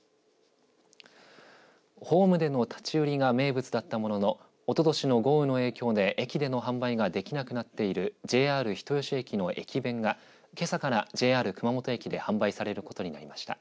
ホームでの立ち売りが名物だったもののおととしの豪雨の影響で駅での販売ができなくなっているＪＲ人吉駅の駅弁が、けさからＪＲ熊本駅で販売されることになりました。